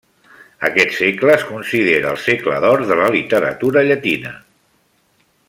Aquest segle es considera el segle d'or de la literatura llatina.